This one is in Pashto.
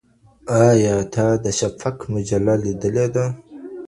آیا تا د شفق مجله ليدلې ده؟